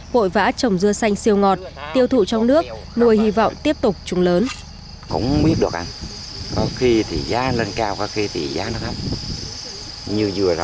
hội vã trồng dưa xanh siêu ngọt tiêu thụ trong nước nuôi hy vọng tiếp tục trùng lớn